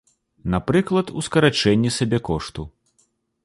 Напрыклад, у скарачэнні сабекошту.